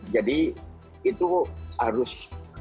jadi itu harus